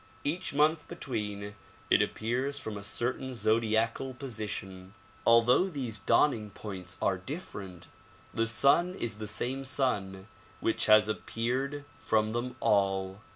Each month between it appears from a certain zodiacal position. Although these dawn ing points are different, the sun is the same sun which has appeared from them all.